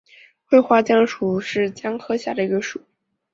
喙花姜属是姜科下的一个属。